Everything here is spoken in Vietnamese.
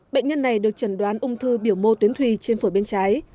bệnh nhân này được trần đoán ung thư biểu mô tuyến thùy trên phổi bên trái